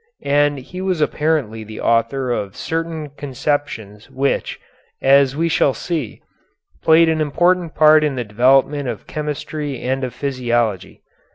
And he was apparently the author of certain conceptions which, as we shall see, played an important part in the development of chemistry and of physiology.